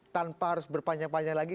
tanpa harus berpanjang panjang lagi